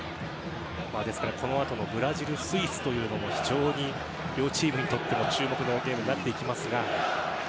ですからこのあとのブラジル対スイスも非常に両チームにとっても注目のゲームになってきます。